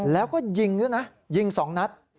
แล้วก็ยิงด้วยนะยิง๒นัด